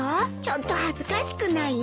ちょっと恥ずかしくない？